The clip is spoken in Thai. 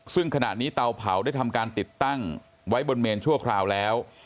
ซึ่งขณะนี้เตาเผาได้ทำการติดตั้งไว้บนเมนชั่วคราวแล้ว